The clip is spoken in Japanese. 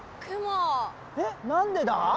雲何でだ？